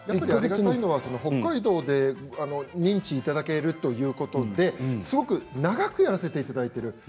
北海道で認知いただけるということですごく長くやらせていただいてるんです。